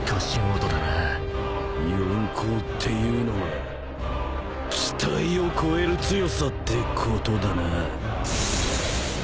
四皇っていうのは期待を超える強さってことだな。